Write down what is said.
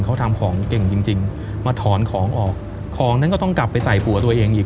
เขาทำของเก่งจริงจริงมาถอนของออกของนั้นก็ต้องกลับไปใส่ผัวตัวเองอีก